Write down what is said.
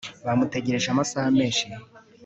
bamutegereje amasaha menshi